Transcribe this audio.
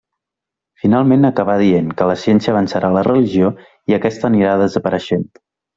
Finalment acaba dient que la ciència vencerà a la religió i aquesta anirà desapareixent.